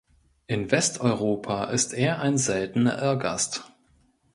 In Westeuropa ist er ein seltener Irrgast.